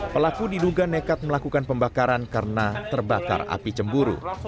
pelaku diduga nekat melakukan pembakaran karena terbakar api cemburu